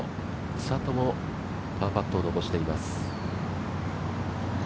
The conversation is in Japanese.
千怜もパーパットを残しています。